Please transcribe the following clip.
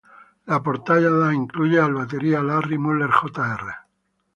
La portada incluye al batería Larry Mullen, Jr.